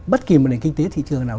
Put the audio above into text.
bất kì một nền kinh tế thị trường nào